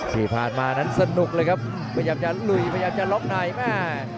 ที่ผ่านมานั้นสนุกเลยครับพยายามจะลุยพยายามจะล็อกในแม่